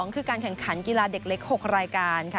คือการแข่งขันกีฬาเด็กเล็ก๖รายการค่ะ